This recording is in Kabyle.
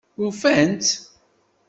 Ufan-tt?